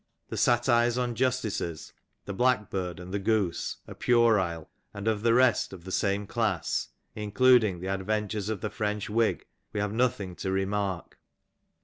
The satires on justices, The Blackbird and The Goose^ are puerile, and of the rest of the same class, including The Adventures of the French Wig^ we have nothing to remark.